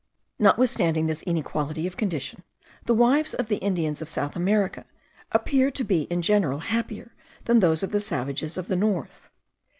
Notwithstanding this inequality of condition, the wives of the Indians of South America appear to be in general happier than those of the savages of the North.